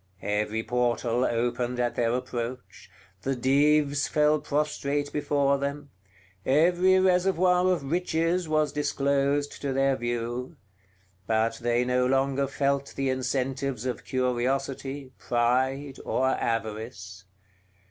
Every portal opened at their approach; the Dives fell prostrate before them; every reservoir of riches was disclosed to their view: but they no longer felt the incentives of curiosity, pride, or avarice.